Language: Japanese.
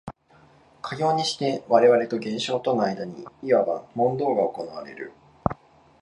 かようにして我々と現象との間にいわば問答が行われる。